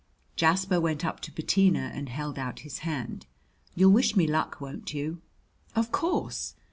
Jasper went up to Bettina and held out his hand. "You'll wish me luck, won't you?" "Of course."